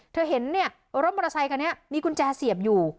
เธอเห็นเนี่ยรถมอเตอร์ไซคันนี้มีกุญแจเสียบอยู่